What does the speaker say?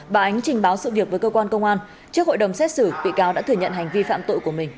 bà ánh trình báo sự việc với cơ quan công an trước hội đồng xét xử bị cáo đã thừa nhận hành vi phạm tội của mình